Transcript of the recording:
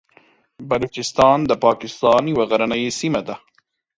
بلوچستان د پاکستان یوه غرنۍ سیمه ده.